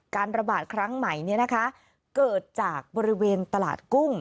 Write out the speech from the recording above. การระบาดครั้งใหม่เกิดจากบริเวณตลาดกุ้ง